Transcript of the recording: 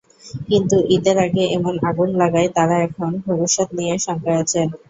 কিন্তু ঈদের আগে এমন আগুন লাগায় তাঁরা এখন ভবিষ্যত্ নিয়ে শঙ্কায় আছেন।